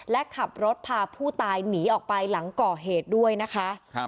และขับรถพาผู้ตายหนีออกไปหลังก่อเหตุด้วยนะคะ